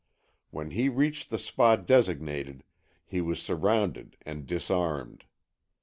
When he reached the spot designated, he was surrounded and disarmed.